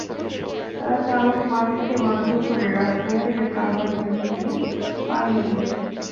তারা চালক মানিককে মারধর করে রাস্তায় ফেলে কাভার্ড ভ্যানটি নিয়ে পালিয়ে যায়।